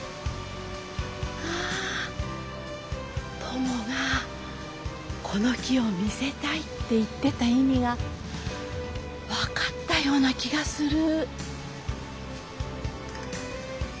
トモがこの木を見せたいって言ってた意味が分かったような気がする。